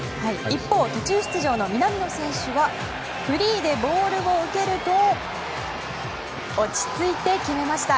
一方途中出場の南野選手はフリーでボールを受けると落ち着いて決めました。